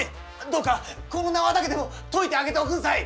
どうか、この縄だけでも解いてあげておくんさい！